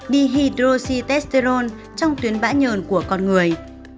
dihydroxytesterone trong tuyến bã nhờn của con người